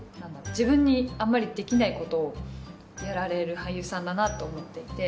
自分にあんまりできないことをやられる俳優さんだなと思ってて。